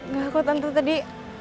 gak kok tentu tadi